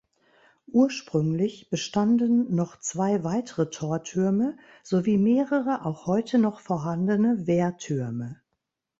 Ursprünglich bestanden noch zwei weitere Tortürme sowie mehrere auch heute noch vorhandene Wehrtürme.